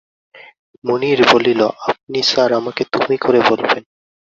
মুনির বলল, আপনি স্যার আমাকে তুমি করে বলবেন।